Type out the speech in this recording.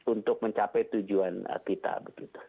untuk mencapai tujuan kita begitu